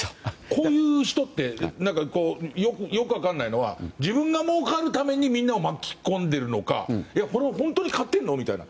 こういう人ってよく分からないのは自分が儲かるためにみんなを巻き込んでいるのか本当に買っているの？みたいな。